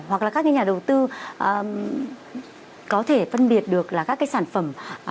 hoặc là các cái nhà đầu tư có thể phân biệt được là các cái sản phẩm